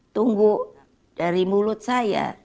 tunggu dari mulut saya